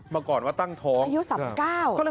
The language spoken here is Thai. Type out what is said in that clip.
มาก่อนว่าตั้งท้อง